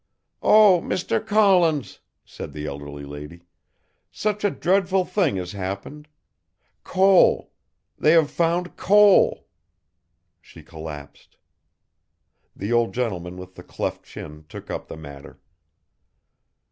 "Oh, Mr. Collins," said the elderly lady, "such a dreadful thing has happened coal they have found coal." She collapsed. The old gentleman with the cleft chin took up the matter.